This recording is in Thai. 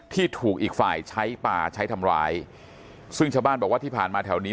ที่ถูกอีกฝ่ายใช้ป่าใช้ทำร้ายซึ่งชาวบ้านบอกว่าที่ผ่านมาแถวนี้